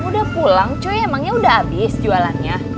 kamu sudah pulang cuy emangnya sudah habis jualannya